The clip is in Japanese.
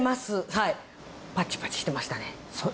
はいパチパチしてましたね